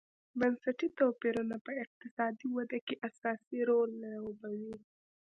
بنسټي توپیرونه په اقتصادي ودې کې اساسي رول لوبوي.